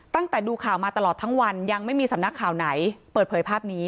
ตั้งแต่ดูข่าวมาตลอดทั้งวันยังไม่มีสำนักข่าวไหนเปิดเผยภาพนี้